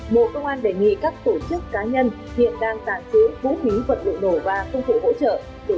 bộ công an đề nghị các tổ chức cá nhân hiện đang tạm giữ vũ khí vật liệu nổ và công cụ hỗ trợ